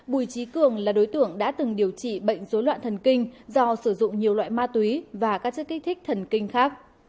bùi trí cường là đối tượng đã từng điều trị bệnh dối loạn thần kinh do sử dụng nhiều loại ma túy và các chất kích thích thần kinh khác